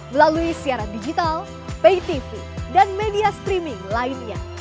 melalui siaran digital pay tv dan media streaming lainnya